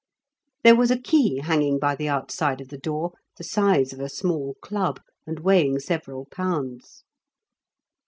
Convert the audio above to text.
There was a key hanging by the outside of the door the size of a small club, and weighing several pounds.